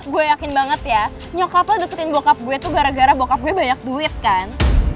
gue yakin banget ya nyokap lo deketin bokap gue itu gara gara bokap gue banyak duit kan